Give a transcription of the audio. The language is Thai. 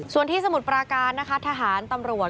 ส่วนที่สมุทรปราการนะคะทหารตำรวจ